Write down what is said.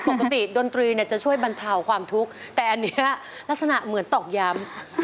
ปกติดนตรีเนี่ยจะช่วยบรรเทาความทุกข์แต่อันนี้ลักษณะเหมือนตอกย้ำ